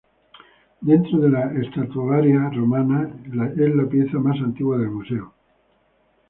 Dentro de la estatuaria romana, es la pieza más antigua del museo.